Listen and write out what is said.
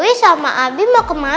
tante dewi sama abi mau kemana